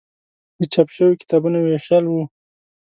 د چاپ شویو کتابونو ویشل و.